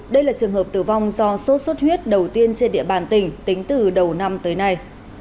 đây là trường hợp tử vong do sốt xuất huyết đầu tiên trên địa bàn tỉnh tính từ đầu năm tới nay